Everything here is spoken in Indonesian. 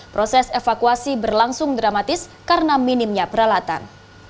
proses evakuasi berlangsung dramatis karena minimnya peralatan